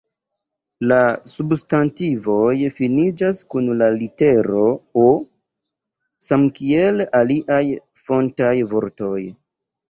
La substantivoj finiĝas kun la litero “O” samkiel aliaj fontaj vortoj.